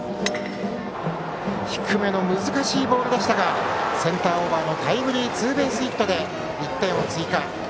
低めの難しいボールでしたがセンターオーバーのタイムリーツーベースヒットで１点を追加。